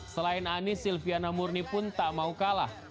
selain anies silviana murni pun tak mau kalah